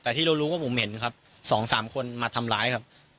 แต่ที่เรารู้ว่าผมเห็นครับสองสามคนมาทำร้ายครับ